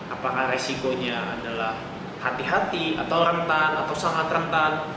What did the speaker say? apakah resikonya adalah hati hati atau rentan atau sangat rentan